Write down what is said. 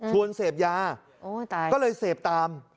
เสพยาก็เลยเสพตาม